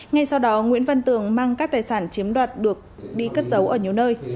ngay sau đó nguyễn văn tường mang các tài sản chiếm đoạt được đi cất giấu ở nhiều nơi